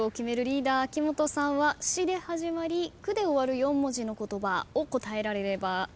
リーダー秋元さんは「し」で始まり「く」で終わる４文字の言葉を答えられればゴールです。